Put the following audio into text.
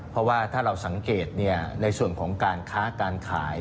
เพราะว่าถ้าเราสังเกตในส่วนของการค้าการขาย